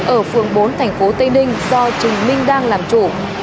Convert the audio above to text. ở phường bốn thành phố tây ninh do trình minh đang làm chủ